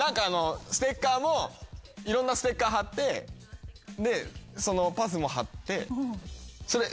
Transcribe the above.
ステッカーもいろんなステッカー張ってそのパスも張って。